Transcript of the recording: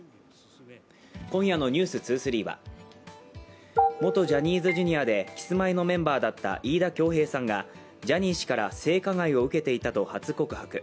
今夜の「ｎｅｗｓ２３」は元ジャニーズＪｒ．でキスマイのメンバーだった飯田恭平さんが、ジャニー氏から性加害を受けていたと初告白。